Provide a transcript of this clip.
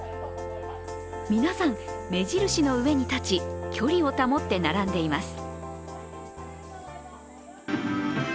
皆さん、目印の上に立ち、距離を保って並んでいます。